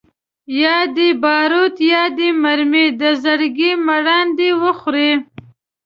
یا دي باروت یا دي مرمۍ د زړګي مراندي وخوري